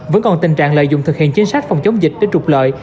vẫn còn tình trạng lợi dụng thực hiện chính sách phòng chống dịch để trục lợi